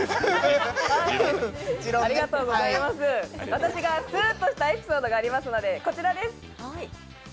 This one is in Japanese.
私がスーッとしたエピソードがありますので、こちらです。